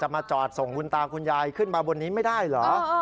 มาจอดส่งคุณตาคุณยายขึ้นมาบนนี้ไม่ได้เหรอ